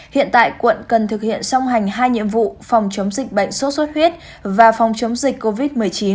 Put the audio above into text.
hiện tại quận cần thực hiện song hành hai nhiệm vụ phòng chống dịch bệnh sốt xuất huyết và phòng chống dịch covid một mươi chín